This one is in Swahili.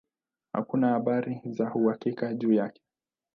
Hakuna habari za uhakika juu yake.